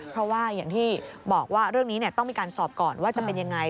เพราะว่าอย่างที่บอกว่าเรื่องนี้ต้องมีการสอบก่อนว่าจะเป็นยังไง